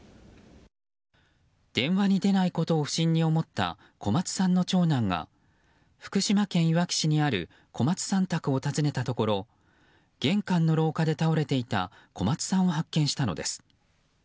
電話に出ないことを不審に思った小松さんの長男が福島県いわき市にある小松さん宅を訪ねたところ玄関の廊下で倒れていた小松さんを発見したのです。